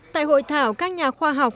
tại hội thảo các nhà khoa học